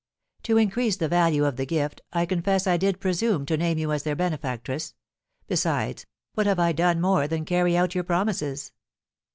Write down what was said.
"To increase the value of the gift, I confess I did presume to name you as their benefactress. Besides, what have I done more than carry out your promises?"